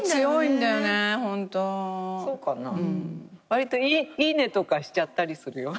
わりと「いいね」とかしちゃったりするよ。